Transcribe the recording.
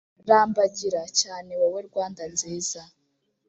rambagira cyane wowe rwanda nziza,